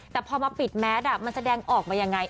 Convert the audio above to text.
แต่พอมาปิดแมสมันแสดงออกมายังไง